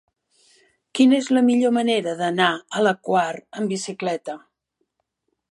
Quina és la millor manera d'anar a la Quar amb bicicleta?